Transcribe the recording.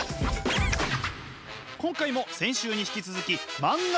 今回も先週に引き続き漫画家編。